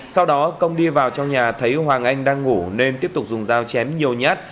sau đó công đi vào trong nhà thấy hoàng anh đang ngủ nên tiếp tục dùng dao chém nhiều nhát